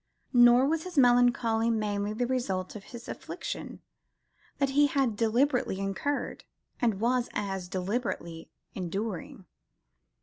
Nor was his melancholy mainly the result of his affliction; that he had deliberately incurred, and was as deliberately enduring.